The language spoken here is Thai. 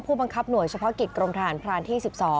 บังคับหน่วยเฉพาะกิจกรมทหารพรานที่๑๒